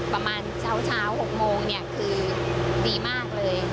ประมาณเช้า๖โมงเนี่ยคือดีมากเลย